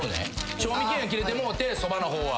賞味期限が切れてもうてそばの方は。